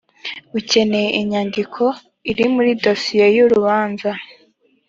ukeneye inyandiko iri muri dosiye y urubanza